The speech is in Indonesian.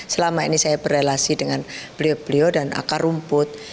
selama ini saya berrelasi dengan beliau beliau dan akar rumput